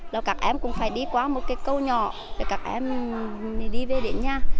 là các em cũng phải đi qua một cái câu nhỏ để các em đi về đến nhà